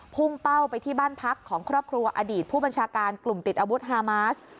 พุ่งเป้าไปที่บ้านพักของครอบครัวอดีตผู้บัญชาการกลุ่มติดอาวุธฮามาส